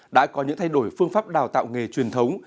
đã có những thay đổi phương pháp đào tạo nghề truyền thống